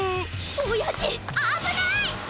おやじあぶない！